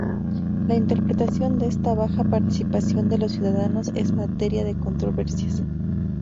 La interpretación de esta baja participación de los ciudadanos es materia de controversias.